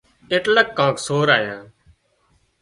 ايٽليڪ ڪانڪ سور آيا